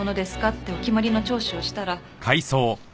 ってお決まりの聴取をしたら。